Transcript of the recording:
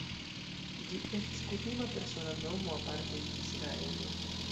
Ĝi estas kutima persona nomo aparte en Israelo.